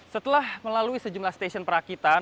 setelah melalui sejumlah stasiun perakitan